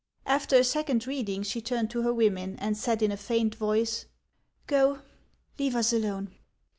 After a second reading she turned to her women, and said in a faint voice :" Go ; leave us alone."